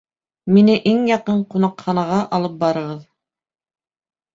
Мине иң яҡын ҡунаҡханаға алып барығыҙ